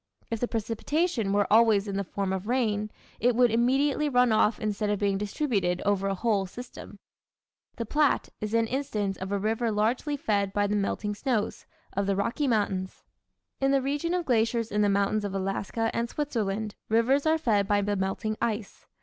If the precipitation were always in the form of rain it would immediately run off instead of being distributed over a whole season. The Platte is an instance of a river largely fed by the melting snows of the Rocky Mountains. In the region of glaciers in the mountains of Alaska and Switzerland rivers are fed by the melting ice.